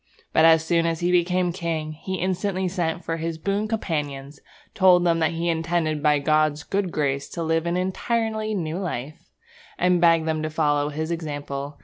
But, as soon as he became king, he instantly sent for his boon companions, told them that he intended by God's good grace to live an entirely new life, and begged them to follow his example.